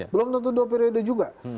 belum tentu dua periode juga